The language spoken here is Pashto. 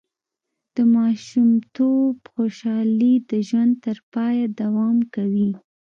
د ماشومتوب خوشحالي د ژوند تر پایه دوام کوي.